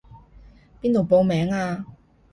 邊度報名啊？